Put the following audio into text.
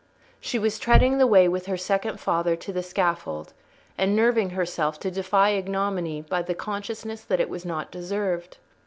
She was treading the way with her second father to the scaffold, and nerving herself to defy ignominy by the consciousness that it was not deserved.